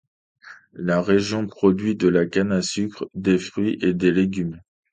La région produit de la canne à sucre, des fruits et des légumes.